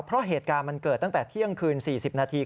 เพราะเหตุการณ์มันเกิดตั้งแต่เที่ยงคืน๔๐นาที